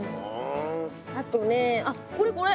あとねあっこれこれ。